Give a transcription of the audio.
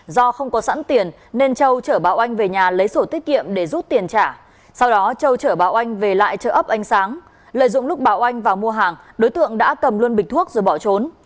do không có sẵn tiền nên châu chở báo oanh về nhà lấy sổ tiết kiệm để rút tiền trả sau đó châu chở bà oanh về lại chợ ấp ánh sáng lợi dụng lúc báo oanh vào mua hàng đối tượng đã cầm luôn bịch thuốc rồi bỏ trốn